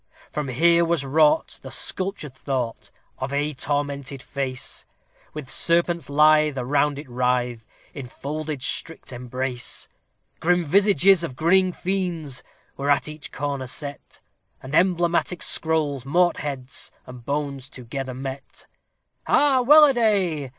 For here was wrought the sculptured thought of a tormented face, With serpents lithe that round it writhe, in folded strict embrace. Grim visages of grinning fiends were at each corner set, And emblematic scrolls, mort heads, and bones together met. "Ah, welladay!"